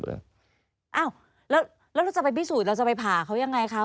อ้าวแล้วเราจะไปพิสูจน์เราจะไปผ่าเขายังไงคะ